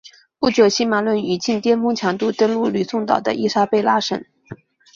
不久西马仑以近颠峰强度登陆吕宋岛的伊莎贝拉省。